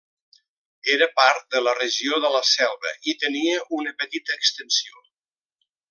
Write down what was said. Era part de la regió de la selva i tenia una petita extensió.